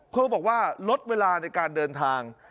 ครูบอกว่าลดเวลาในการเดินทาง